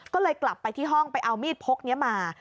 ก็เลยกลับไปที่ห้องไปเอามีดพกนี้มา